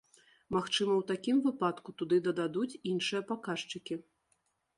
Магчыма, у такім выпадку туды дададуць іншыя паказчыкі?